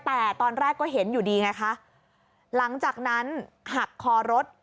แต่ตอนแรกก็เห็นอยู่ดีไงคะหลังจากนั้นหักคอรถ